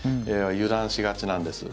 油断しがちなんです。